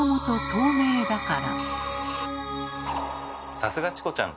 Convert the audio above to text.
さすがチコちゃん！